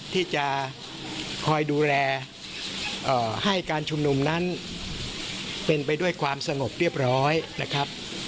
ที่จะคอยดูแลให้การชุมนุมนั้นเป็นไปด้วยความสงบเรียบร้อยนะครับ